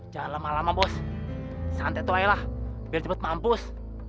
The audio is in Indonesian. jangan lama lama bos santai tuhailah biar cepat mampus